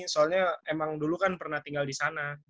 soalnya emang dulu kan pernah tinggal di sana